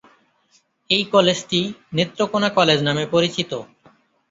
এই কলেজটি "নেত্রকোণা কলেজ" নামে পরিচিত।